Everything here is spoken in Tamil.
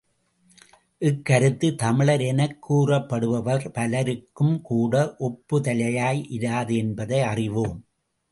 இக் கருத்து தமிழர் எனக் கூறப்படுபவர் பலருக்கும்கூட ஒப்புதலையாய் இராது என்பதை அறிவோம்.